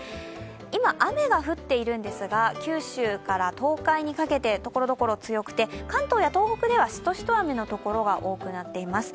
今、雨が降っているんですが、九州から東海にかけてところどころ強くて、関東や東北ではしとしと雨の所が多くなっています。